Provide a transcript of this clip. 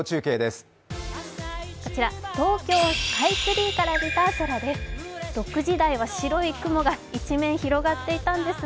こちら東京スカイツリーから見た空です。